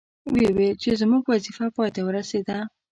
وې ویل چې زموږ وظیفه پای ته ورسیده.